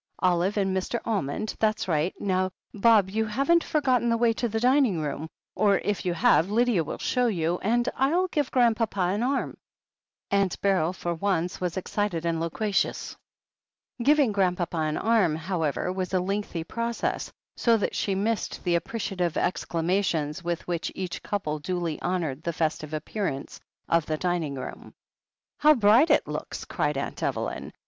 — Olive and Mr. Almond — ^that's right — ^now, Bob, you haven't forgotten the way to the dining room — or, if you have, Lydia will show you — ^and Til give Grandpapa an arm." Aunt Beryl, for once, was excited and loquaciotis. Giving Grandpapa an arm, however, was a lengthy process, so that she missed the appreciative exclama tions with which each couple duly honoured the festive appearance of the dining room.^ "How bright it looks !" cried Aunt Evelyn.